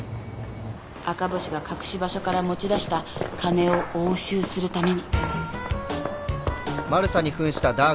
赤星が隠し場所から持ち出した金を押収するために。